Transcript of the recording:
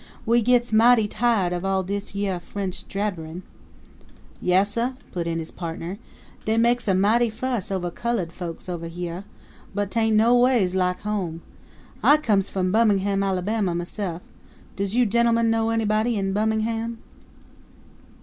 "We gits mighty tired of all dis yere French jabberin'!" "Yas, suh," put in his partner; "dey meks a mighty fuss over cullud folks over yere; but 'tain't noways lak home. I comes from Bummin'ham, Alabama, myse'f. Does you gen'lemen know anybody in Bummin'ham?"